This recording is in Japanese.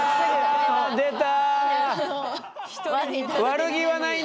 出た！